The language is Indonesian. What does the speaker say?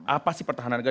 apa sih pertahanan negara